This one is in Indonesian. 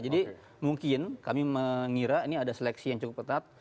jadi mungkin kami mengira ini ada seleksi yang cukup ketat